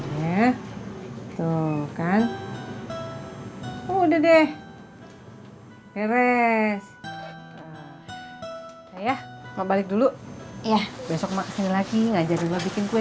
hai ya tuh kan udah deh hai resh ya mau balik dulu ya besok maksimal lagi ngajarin bikin kue